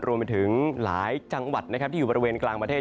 รวมไปถึงหลายจังหวัดนะครับที่อยู่บริเวณกลางประเทศ